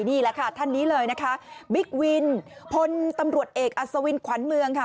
นี่แหละค่ะท่านนี้เลยนะคะบิ๊กวินพลตำรวจเอกอัศวินขวัญเมืองค่ะ